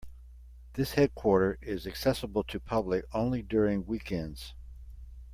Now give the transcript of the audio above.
This headquarter is accessible to public only during weekends.